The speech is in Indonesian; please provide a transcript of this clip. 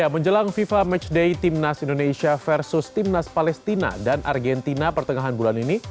menjelang fifa matchday timnas indonesia versus timnas palestina dan argentina pertengahan bulan ini